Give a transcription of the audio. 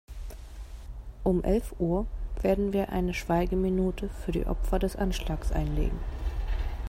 Um elf Uhr werden wir eine Schweigeminute für die Opfer des Anschlags einlegen.